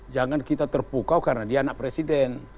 jangan kita terpukau karena dia anak presiden